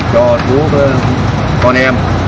cho chú con em